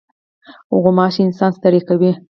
غوماشه انسان ستړی کوي.